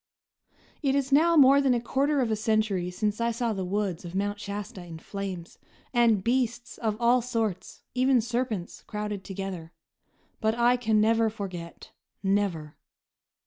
It is now more than a quarter of a century since I saw the woods of Mount Shasta in flames, and beasts of all sorts, even serpents, crowded together; but I can never forget, never!